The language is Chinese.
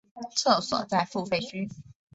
厕所在付费区内。